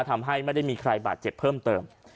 ทำให้ไม่ได้มีใครบาดเจ็บเพิ่มเติม